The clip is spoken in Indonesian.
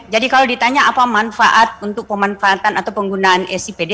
jadi kalau ditanya apa manfaat untuk pemanfaatan atau penggunaan sipd